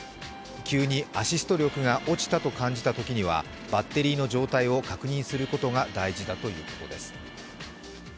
急にアシスト力が落ちたと感じたときにはバッテリーの状態を確認することが大事だということです。